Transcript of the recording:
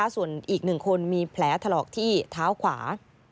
ส่วนอีก๑คนมีแผลถลอกที่เท้าขวา